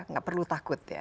nggak perlu takut ya